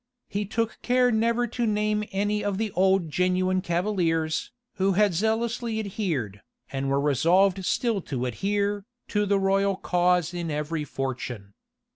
He took care never to name any of the old genuine cavaliers, who had zealously adhered, and were resolved still to adhere, to the royal cause in every fortune.